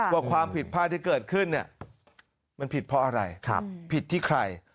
ว่าความผิดพลาดที่เกิดขึ้นมันผิดเพราะอะไรผิดที่ใคร